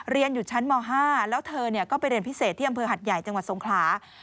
เรียนอยู่ชั้นม๕แล้วเธอก็ไปเรียนพิเศษที่อำเภอหัดใหญ่จังหวัดสงขลา